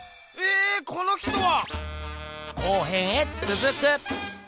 この人は！